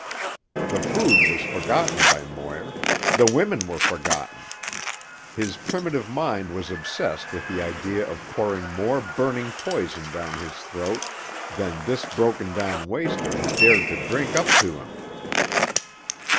The food was forgotten by Moir; the women were forgotten. His primitive mind was obsessed with the idea of pouring more burning poison down his throat than this broken down waster who dared to drink up to him.